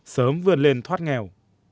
sớm vươn lên thoát nghèo